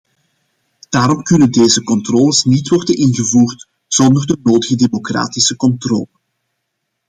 Daarom kunnen deze controles niet worden ingevoerd zonder de nodige democratische controle.